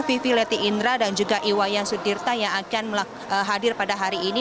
vivi leti indra dan juga iwayan sudirta yang akan hadir pada hari ini